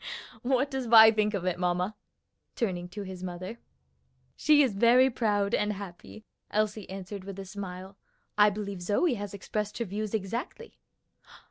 What does Vi think of it, mamma?" turning to his mother. "She is very proud and happy," Elsie answered with a smile. "I believe Zoe has expressed her views exactly."